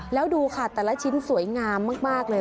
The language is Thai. แล้วดูค่ะแต่ละชิ้นสวยงามมากเลย